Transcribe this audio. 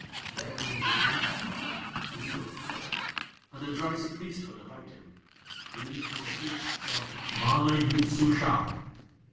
Therein is a dreaming prophet who doeth naught, and a drowsy priesthood about him. These be the priests of MANA YOOD SUSHAI.